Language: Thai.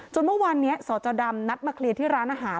เมื่อวานนี้สจดำนัดมาเคลียร์ที่ร้านอาหาร